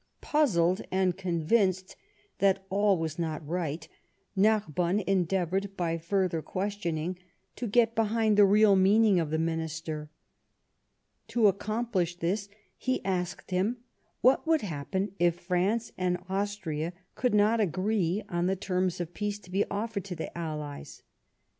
Puzzled, convinced that all was not right, Narbonne endeavoured, by further questioning, to get behind the real meaning of the Minister. To accomplish this, he asked him what would happen if France and Austria could not agree on the terms of peace to be offered to the allies.